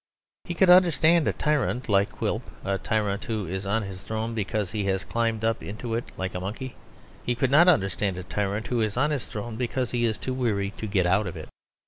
He could understand a tyrant like Quilp, a tyrant who is on his throne because he has climbed up into it, like a monkey. He could not understand a tyrant who is on his throne because he is too weary to get out of it.